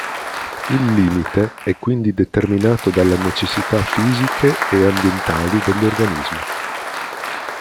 Il limite è quindi determinato dalla necessità fisiche e ambientali degli organismi.